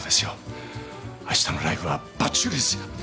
あしたのライブはバッチリですよ！